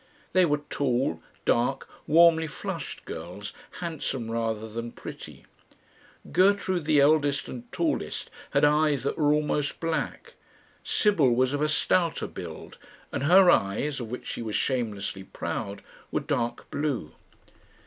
They were tall, dark, warmly flushed girls handsome rather than pretty. Gertrude, the eldest and tallest, had eyes that were almost black; Sibyl was of a stouter build, and her eyes, of which she was shamelessly proud, were dark blue.